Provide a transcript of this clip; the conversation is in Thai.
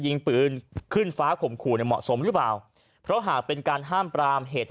ยิงปืนขึ้นฟ้าข่มขู่เนี่ยเหมาะสมหรือเปล่าเพราะหากเป็นการห้ามปรามเหตุ